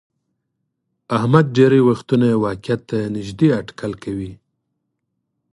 احمد ډېری وختونه واقعیت ته نیږدې هټکل کوي.